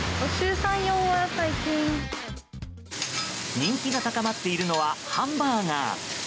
人気が高まっているのはハンバーガー。